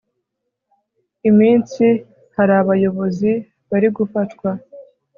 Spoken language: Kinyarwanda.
iminsi harabayobozi bari gufatwa